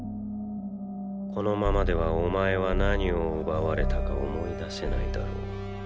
このままではお前は何を奪われたか思い出せないだろう。